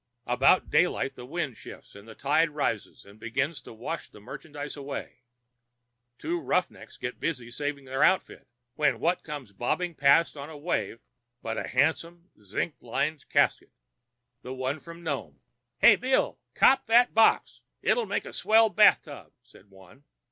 About daylight the wind shifts, the tide rises and begins to wash the merchandise away. Two 'rough necks' get busy saving their outfit, when what comes bobbing past on the waves but a handsome zink lined casket—the one from Nome. "'Hey, Bill, cop that box; it'll make a swell bath tub,' says one.